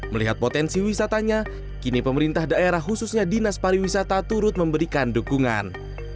melihat potensi wisatanya kini pemerintah daerah khususnya dinas pariwisata turut memberikan dukungan